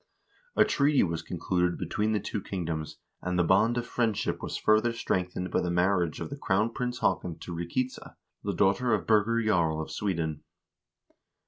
A treaty was con cluded between the two kingdoms, and the bond of friendship was further strengthened by the marriage of Crown Prince Haakon to Rikitza, the daughter of Birger Jarl of Sweden.